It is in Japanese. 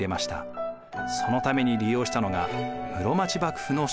そのために利用したのが室町幕府の将軍です。